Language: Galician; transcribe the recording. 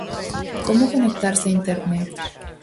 Como conectarse a Internet?